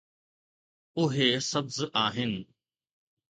اهي سبز آهن